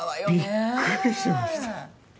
びっくりしました。